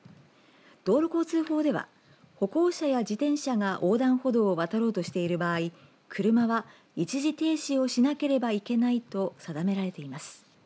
道路交通法では、歩行者や自転車が横断歩道を渡ろうとしている場合車は一時停止をしなければいけないと定められています。